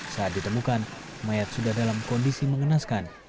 saat ditemukan mayat sudah dalam kondisi mengenaskan